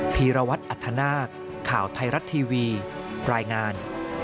พีรวัตรอัธนาคข่าวไทยรัฐทีวีรายงาน